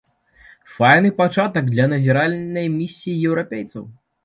Файны пачатак для назіральнай місіі еўрапейцаў.